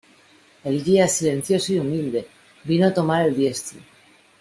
el guía, silencioso y humilde , vino a tomar el diestro.